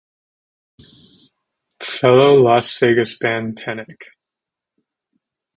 Fellow Las Vegas band Panic!